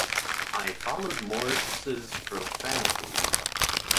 I followed Morris's profanity.